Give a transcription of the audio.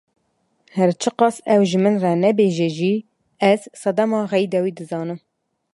Her çi qas ew ji min re nabêje jî, ez sedema xeyda wî dizanim.